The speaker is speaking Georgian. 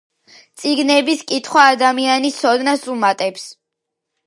წიგნების კითხვა ადამიანს ცოდნას უმატებს.